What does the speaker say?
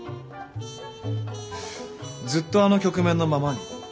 ずっとあの局面のままに？